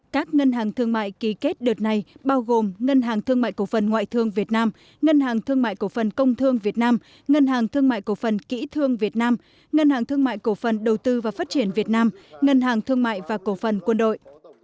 các ngân hàng thương mại ký kết đợt này bao gồm ngân hàng thương mại cổ phần ngoại thương việt nam ngân hàng thương mại cổ phần công thương việt nam ngân hàng thương mại cổ phần kỹ thương việt nam ngân hàng thương mại cổ phần đầu tư và phát triển việt nam ngân hàng thương mại và cổ phần quân đội